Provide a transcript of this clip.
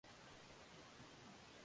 Kulalamikia kudhalilishwa kiunyama